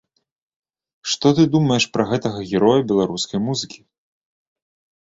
Што ты думаеш пра гэтага героя беларускай музыкі?